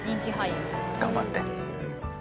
頑張って。